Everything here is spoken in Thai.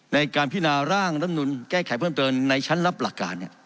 ในการพินาร่างรัฐมนุนแก้ไขเพิ่มเติมในชั้นรับหลักการ